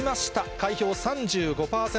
開票３５％。